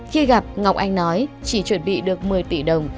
khi gặp ngọc anh nói chỉ chuẩn bị được một mươi tỷ đồng